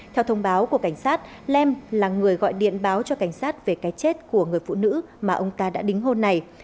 theo thông báo của cảnh sát lem là người gọi điện báo cho cảnh sát về cái chết của người phụ nữ mà ông ta đã đính hôm này